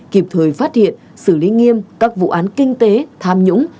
kịp thời phát hiện xử lý nghiêm các vụ án kinh tế tham nhũng